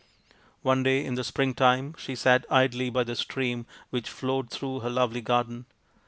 One day in the spring time she sat idly by the stream which flowed through her lovely garden.